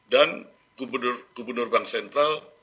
dan gubernur bank sentral